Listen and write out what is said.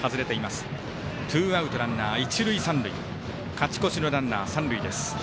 勝ち越しのランナー、三塁です。